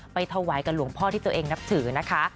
ไปถวายกับหลวงพ่อที่ตัวเองนับถือนะคะ